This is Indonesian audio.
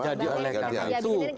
jadi oleh karena itu